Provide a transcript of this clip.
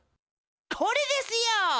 これですよ！